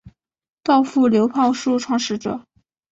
稻富流炮术创始者。